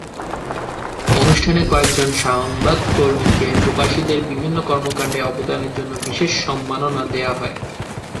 অনুষ্ঠানে কয়েকজন সংবাদকর্মীকে প্রবাসীদের বিভিন্ন কর্মকাণ্ডে অবদানের জন্য বিশেষ সম্মাননা দেওয়া হয়।